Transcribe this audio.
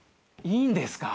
いいんですか？